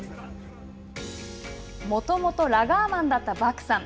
もともとラガーマンだったバクさん。